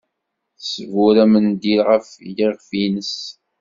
Tesbur amendil ɣef yiɣef-nnes.